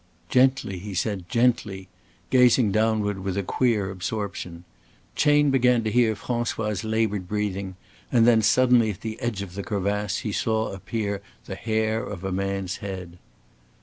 "Gently," he said, "gently," gazing downward with a queer absorption. Chayne began to hear François' labored breathing and then suddenly at the edge of the crevasse he saw appear the hair of a man's head.